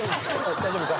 大丈夫か？